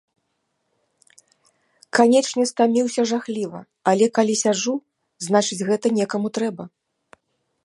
Канечне, стаміўся жахліва, але калі сяджу, значыць, гэта некаму трэба.